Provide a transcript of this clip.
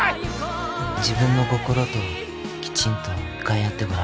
自分の心ときちんと向かい合ってごらん。